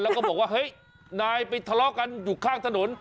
แล้วก็บอกว่าเฮ้ยนายไปทะเลาะกันอยู่ข้างถนน